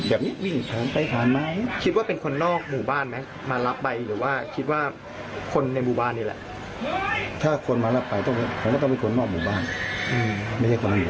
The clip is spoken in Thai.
คนอื่นบ้านก็ต้องรู้ต้องอะไรก็ไม่ให้เขามาวุ่นวายกันอยู่๒วันแล้วเนี่ย